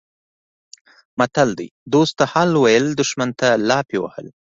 متل دی: دوست ته حال ویل دښمن ته لافې وهل